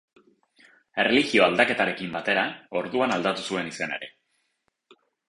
Erlijio-aldaketarekin batera, orduan aldatu zuen izena ere.